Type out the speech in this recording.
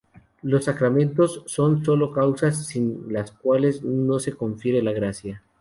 Los sacramentos son sólo causas sin las cuales no se confiere la gracia.